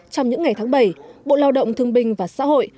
trong những ngày tháng bảy bộ lao động thương binh và xã hội